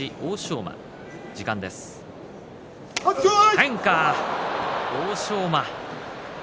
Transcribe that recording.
変化、欧勝馬。